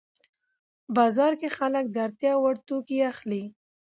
بازار کې خلک د اړتیا وړ توکي اخلي